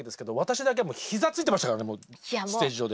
私だけは膝ついてましたからねステージ上で。